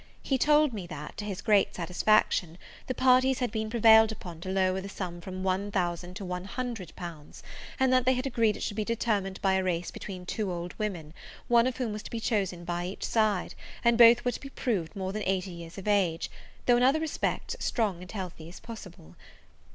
He told me that, to his great satisfaction, the parties had been prevailed upon to lower the sum from one thousand to one hundred pounds; and that they had agreed it should be determined by a race between two old women, one of whom was to be chosen by each side, and both were to be proved more than eighty years of age, though, in other respects strong and healthy as possible.